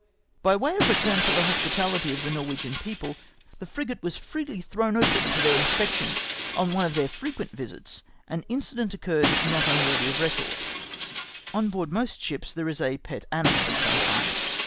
By way of return for the hospitahty of the Norwegian 5S A TARROT TURNED BOATSWAIN. people, the frigate was freely thrown open to their in spection. On one of their frequent visits, an incident occurred not unworthy of record. On board most ships there is a pet animal of some kind.